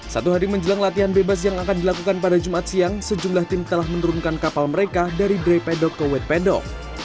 satu hari menjelang latihan bebas yang akan dilakukan pada jumat siang sejumlah tim telah menurunkan kapal mereka dari dry pedok ke wet pedok